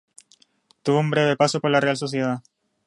Tuvo un breve paso por la Real Sociedad.